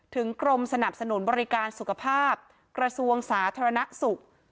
กรมสนับสนุนบริการสุขภาพกระทรวงสาธารณสุข